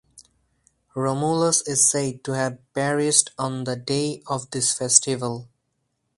Romulus is said to have perished on the day of this festival.